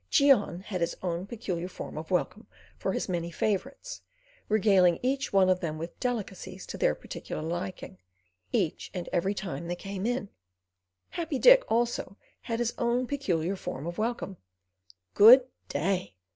Cheon had his own peculiar form of welcome for his many favourites, regaling each one of them with delicacies to their particular liking, each and every time they came in. Happy Dick, also, had his own peculiar form of welcome. "Good day!